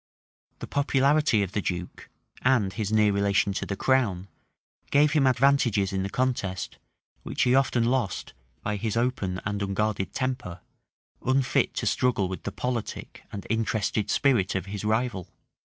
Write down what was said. The popularity of the duke, and his near relation to the crown, gave him advantages in the contest, which he often lost by his open and unguarded temper, unfit to struggle with the politic and interested spirit of his rival.